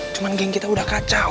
cuma ging kita udah kacau